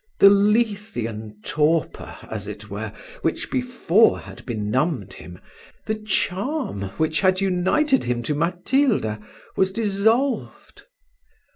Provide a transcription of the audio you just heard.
The Lethean torpor, as it were, which before had benumbed him; the charm, which had united him to Matilda, was dissolved.